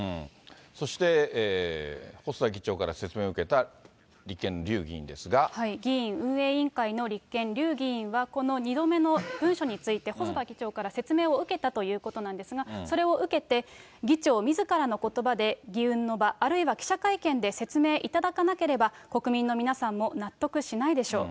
そして細田議長から説明を受けた立憲、議院運営委員会の立憲、笠議員はこの２度目の文書について説明を受けたということなんですが、それを受けて、議長みずからのことばで議運の場、あるいは記者会見で説明いただかなければ、国民の皆さんも納得しないでしょう。